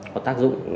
có tác dụng